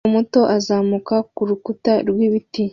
Umukobwa muto azamuka kurukuta rwibiti